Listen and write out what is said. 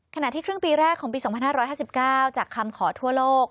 ขณะที่ครึ่งปีแรกของปี๒๕๕๙จากคำขอทั่วโลก